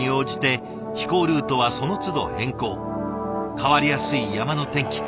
変わりやすい山の天気。